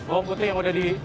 bawang putih yang udah di